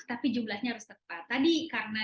tapi jumlahnya harus tepat tadi karena